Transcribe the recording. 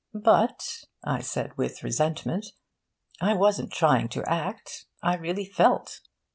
'But,' I said with resentment, 'I wasn't trying to act. I really felt.'